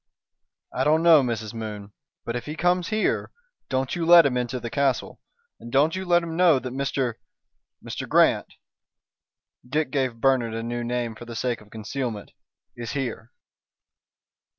"I don't know, Mrs. Moon. But if he comes here, don't you let him into the castle and don't you let him know that Mr. Mr. Grant" Dick gave Bernard a new name for the sake of concealment "is here."